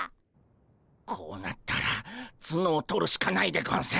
こうなったらツノを取るしかないでゴンス。